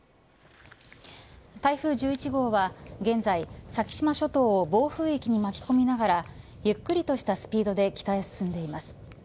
台風１１号は現在、先島諸島を暴風域に巻き込みながらゆっくりとしたスピードで北へ進んでいます。